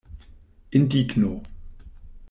Indigno.